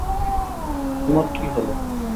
তোমার কী হল?